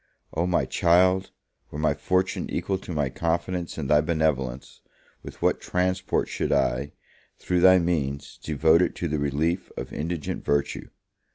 O my child, were my fortune equal to my confidence in thy benevolence, with what transport should I, through thy means, devote it to the relief of indigent virtue!